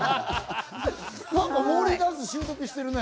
何かモーリーダンス習得してるね。